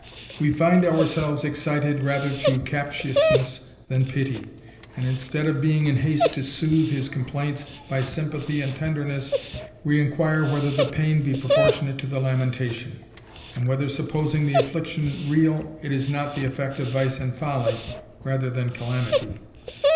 We find ourselves excited rather to captiousness than pity, and instead of being in haste to soothe his complaints by sympathy and tenderness, we inquire, whether the pain be proportionate to the lamentation ; and whether, supposing the affliction real, it is not the effect of vice and folly, rather than calamity.